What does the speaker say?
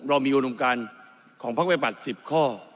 เรามีอุดมการของพักวิบัติ๑๐ข้อ